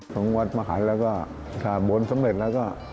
ของวัดมหันแล้วก็ถ้าบนสำเร็จแล้วก็